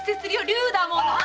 「リュウ」だもの。